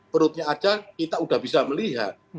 perutnya aja kita udah bisa melihat